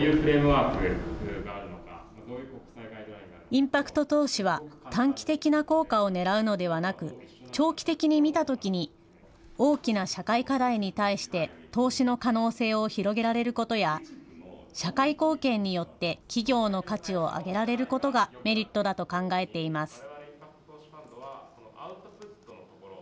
インパクト投資は、短期的な効果をねらうのではなく、長期的に見たときに、大きな社会課題に対して投資の可能性を広げられることや、社会貢献によって企業の価値を上げられることがメリットだと考えています。